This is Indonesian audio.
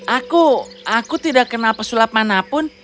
aku aku tidak kenal pesulap manapun